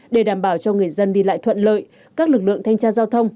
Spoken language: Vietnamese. để đảm bảo cho người dân đi lại thuận lợi các lực lượng thanh tra giao thông